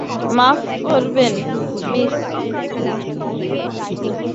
মাফ করবেন, মিস।